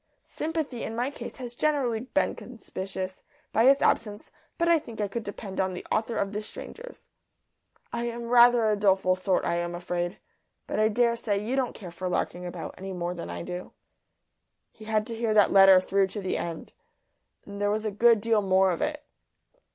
Sympathy in my case has generally been conspicuous by its absence, but I think I could depend on the author of "The Strangers." I am rather a doleful sort, I am afraid, but I daresay you don't care for larking about any more than I do.'" He had to hear that letter through to the end, and there was a good deal more of it.